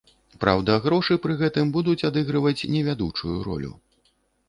Праўда, грошы пры гэтым будуць адыгрываць не вядучую ролю.